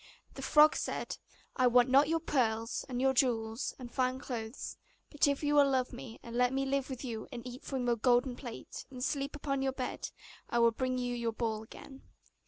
The frog said, 'I want not your pearls, and jewels, and fine clothes; but if you will love me, and let me live with you and eat from off your golden plate, and sleep upon your bed, I will bring you your ball again.